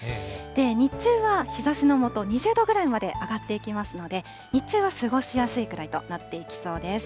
日中は日ざしの下、２０度ぐらいまで上がっていきますので、日中は過ごしやすいくらいとなっていきそうです。